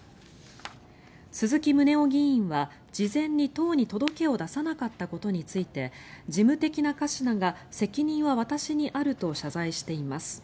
鈴木宗男議員は事前に党に届けを出さなかったことについて事務的な瑕疵だが、責任は私にあると謝罪しています。